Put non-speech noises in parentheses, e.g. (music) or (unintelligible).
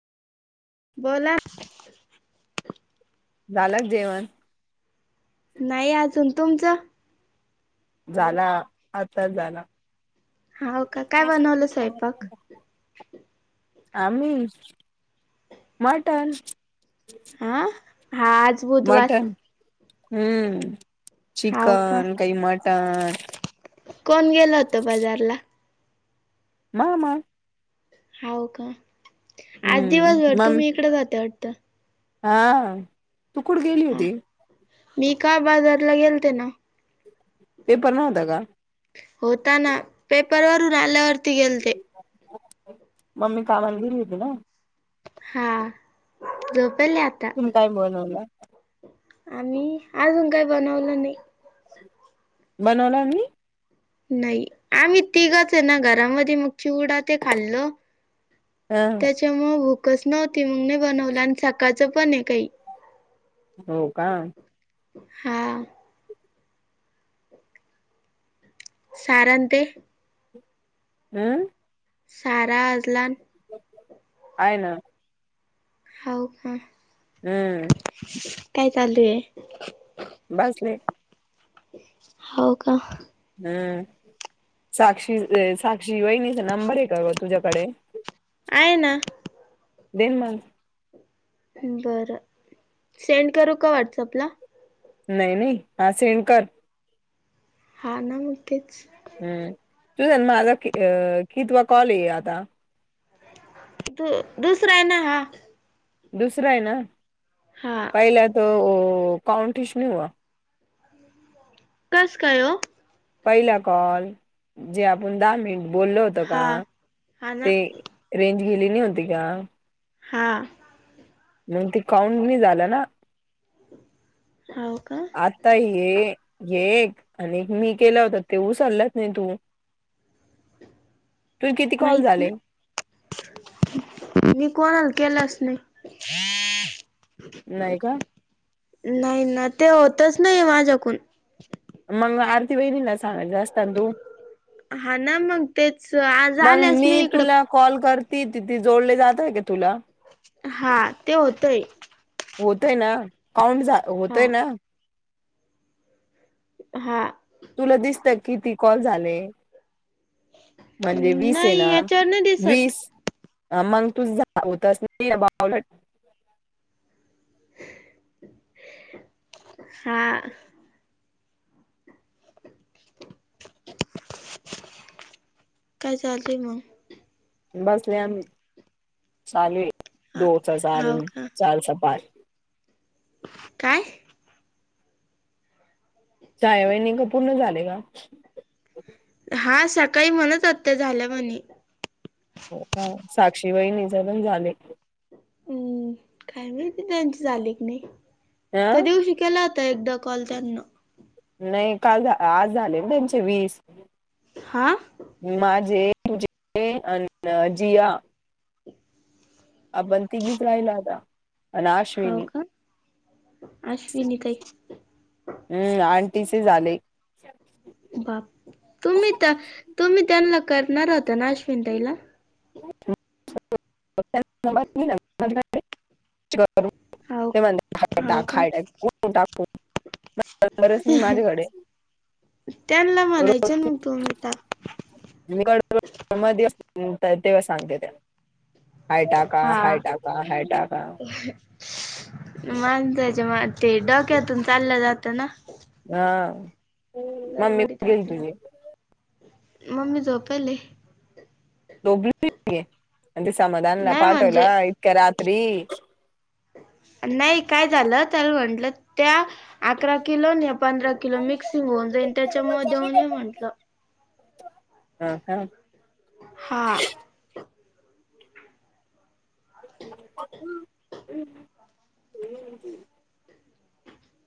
बोला झालं जेवण? नाही अजून तुमचं? झाला आत्ताच झाला. हाव का काय बनवलं स्वयंपाक? आम्ही मटन. आं हा आज बुधवार मटन, हम्म हाव का चिकन काही मटन. कोण गेल होत बाजारला? मामा. हाव का, आज हम्म दिवसभर मम्मी तुम्ही इकडच होत्या वाटत? हा तू कुठ गेली हा होती? मी का बाजारला गेलते ना. पेपर नव्हता का? होताना पेपर वरून आल्यावरती गेलते. मम्मी कामाला गेली होती ना? हा झोपले आता. तूम काय बनवला? आमी अजून काय बनवलं नाही. बनवला नाही? नाई आम्ही तिघचय ना घरामध्ये मग चिवडा ते खाल्लो. हं. त्यामुळ भूकच नव्हती मग नाही बनवल आणि सकाळचं पणय काही. हो का. हा. सारण ते. अं? सारा आजलान. हाय ना. हाव का. हम्म. काय चालूय? बासले. हो का. हम्म साक्षी, साक्षी वहिनीचा नंबर आहे का ग तुझ्याकडे? आहे ना. देन मग. बरं सेंड करू का व्हॉट्सअपला? नाही, नाही, हा सेंड कर. हा ना मग तेच. हम्म, तूझा न माझा कि अ कितवा कॉल ये आता? दु दुसराय ना हा. दुसराय न. हा. पहिला तो काउंटिश नी हुआ. कस काय ओ? पयला कॉल, जे आपण दहा मिनट बोललो होतो का? हा हा ना ते. रेंज गेली नी होती का? हा. मंग ते काउंट नी झालं न. हाव का? आता हे, हे एक आणि एक मी केलं होतं ते ऊसलंच नई तु. (inaudible) माहीत ना मी कोणाल केलाच नई. नाई का? न्हाईना ते होतच नई माझ्याकून. मंग आरती वईनींना सांगायचं अस्तान तू. हा ना मंग तेच आज मग आल्याच मी नी इकडं. तुला कॉल करती ति ती जोडले जाताय का तुला? हा ते होतंय. होतय न, काउंट झा हा होतय न. हा. तुला दिसतं क् किती कॉल झाले? म्हणजे वीस नाही येना याच्यावर नाही दिसत वीस ह मंग तूझ (unintelligible) हा. काय चालतेय मंग? बसलेय आमी चालूये हा दोच चार हाव अन् का चारचं पाच. काय? छाया वईणी का पूर्ण झाले का? हा सकाळी म्हणत होत त्या झाल्या म्हणे. हो का साक्षी वईणीच पण झाले. हम्म काय माईती त्यांची झाले क नई अ त्या दिवशी केला -ता एकदा कॉल त्यांना. नई काल झा आज झाले न त्यांचे वीस. हा. माझे तुझे अन जिया आपण तीघीच राईलो आता. अन हाव अश्विनी. का अश्विनी ताई हम्म आंटीचे झाले. बाप तुमी त तुमी त्यांन्ला करणार होत्या न अश्विन ताईला. (inaudible) (unintelligible) हाव हाव का (unintelligible) माझ्याकडे त्यांना रोज म्हणायचं ना, तुम्ही (unintelligible) हाय टाका, हा. हाय टाका, हाय टाका. माणसाच्या म ते डोक्यातून चाललं जातं ना. हा. हम्म मम्मी गडबडीत कुठ गेली असल्यावर. तुझी? मम्मी झोपेले. झोपली आणि ते समाधानला नाही म्हणजे पाठवला. इतक्या रात्री नाही काय झालं. त्याला म्हटलं त्या अकरा किलो नाही पंधरा किलो मिक्स होऊन जाईन. त्याच्यामुळ देऊन ये म्हटलं हा हा. हा. (unintelligible)